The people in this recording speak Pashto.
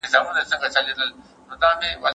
تاريخي حقایق د ټولنپوهنې په پراختیا کې مهمه برخه ده.